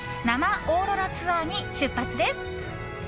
生オーロラツアーに出発です。